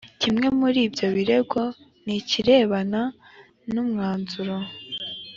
kimwe muri ibyo birego ni ikirebana n umwanzuro